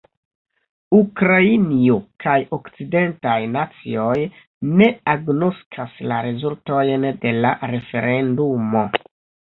Ukrainio kaj okcidentaj nacioj ne agnoskas la rezultojn de la referendumo.